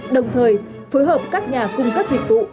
đồng thời phối hợp các nhà cung cấp dịch vụ